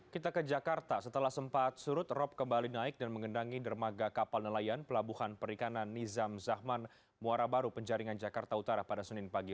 kita ke jakarta setelah sempat surut rob kembali naik dan mengendangi dermaga kapal nelayan pelabuhan perikanan nizam zahman muara baru penjaringan jakarta utara pada senin pagi